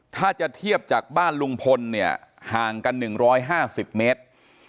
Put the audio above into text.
ถ้าจะเทียบจากบ้านลุงพลเนี้ยห่างกันหนึ่งร้อยห้าสิบเมตร